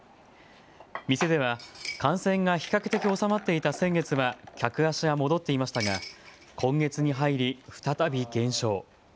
店では感染が比較的収まっていた先月は客足は戻っていましたが今月に入り、再び減少。